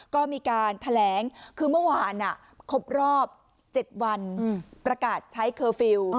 ก็มีการแถลงคือเมื่อวานครบรอบ๗วันประกาศใช้เคอร์ฟิลล์